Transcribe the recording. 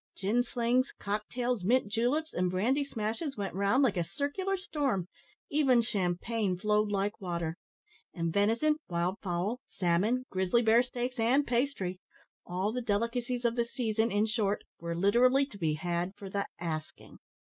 Gin slings, cocktails, mint juleps, and brandy smashes went round like a circular storm, even champagne flowed like water; and venison, wild fowl, salmon, grizzly bear steaks, and pastry all the delicacies of the season, in short were literally to be had for the asking.